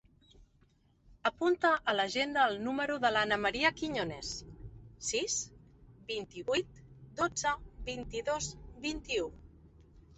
Apunta a l'agenda el número de l'Ana maria Quiñones: sis, vint-i-vuit, dotze, vint-i-dos, vint-i-u.